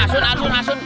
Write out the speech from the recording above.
asun asun asun